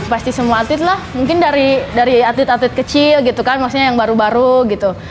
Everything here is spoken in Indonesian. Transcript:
pasti semua atlet lah mungkin dari atlet atlet kecil gitu kan maksudnya yang baru baru gitu